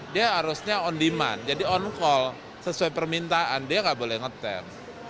dia harusnya on demand jadi on call sesuai permintaan dia nggak boleh ngetem